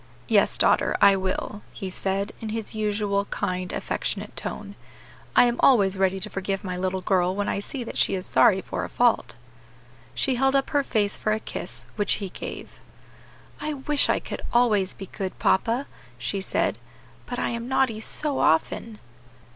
"Yes, daughter, I will," he said, in his usual kind, affectionate tone; "I am always ready to forgive my little girl when I see that she is sorry for a fault." She held up her face for a kiss, which he gave. "I wish I could always be good, papa," she said, "but I am naughty so often."